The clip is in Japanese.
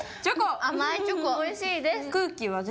おいしいです。